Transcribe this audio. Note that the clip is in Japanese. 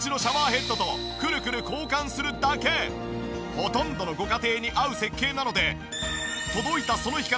ほとんどのご家庭に合う設計なので。